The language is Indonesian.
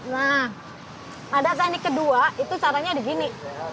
nah pada kali ini kedua itu caranya begini